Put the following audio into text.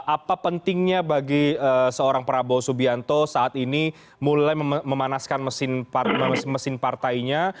apa pentingnya bagi seorang prabowo subianto saat ini mulai memanaskan mesin partainya